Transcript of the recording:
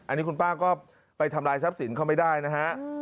อันนี้คุณป้าก็ไปทำลายทรัพย์สินเขาไม่ได้นะฮะ